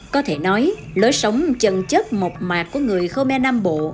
có thể nói lối sống chân chất mộc mạc của người khmer nam bộ